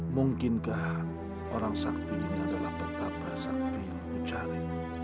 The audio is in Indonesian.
mungkinkah orang sakti ini adalah pertama sakti yang kucari